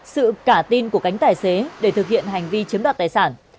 sự cả tin của cánh tài xế để thực hiện hành vi chiếm đoạt tài sản